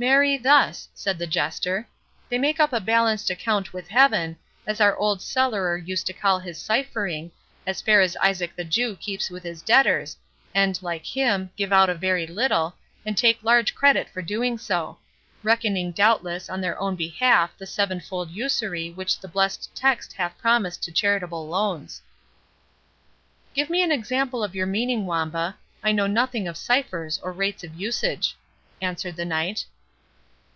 "Marry, thus," said the Jester. "They make up a balanced account with Heaven, as our old cellarer used to call his ciphering, as fair as Isaac the Jew keeps with his debtors, and, like him, give out a very little, and take large credit for doing so; reckoning, doubtless, on their own behalf the seven fold usury which the blessed text hath promised to charitable loans." "Give me an example of your meaning, Wamba,—I know nothing of ciphers or rates of usage," answered the Knight.